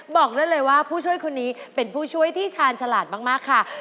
บอกได้เลยว่าผู้ช่วยคนนี้เป็นผู้ช่วยที่ชาญฉลาดมากค่ะ